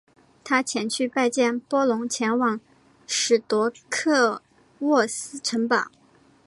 他前去拜见波隆前往史铎克渥斯城堡。